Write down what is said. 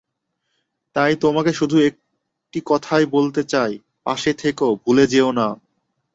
তাই তোমাকে শুধু একটি কথাই বলতে চাই, পাশে থেকো, ভুলে যেয়ো না।